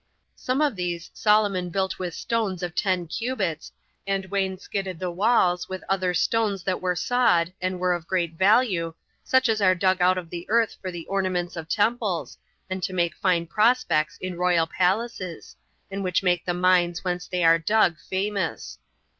Some of these Solomon built with stones of ten cubits, and wainscoted the walls with other stones that were sawed, and were of great value, such as are dug out of the earth for the ornaments of temples, and to make fine prospects in royal palaces, and which make the mines whence they are dug famous.